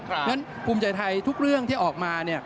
เพราะฉะนั้นภูมิใจไทยทุกเรื่องที่ออกมา